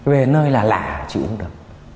về nơi là lạ chịu không được